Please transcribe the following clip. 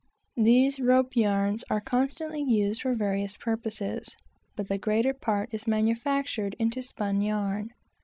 These "rope yarns" are constantly used for various purposes, but the greater part is manufactured into spun yarn.